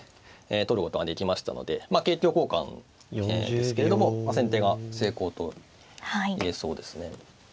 取ることができましたので桂香交換ですけれども先手が成功と言えそうですね。